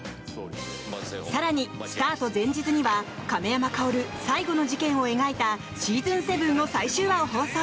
更に、スタート前日には亀山薫、最後の事件を描いた「シーズン７」の最終話を放送。